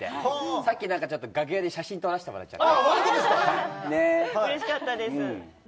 さっき楽屋で写真撮らせてもらっちゃった。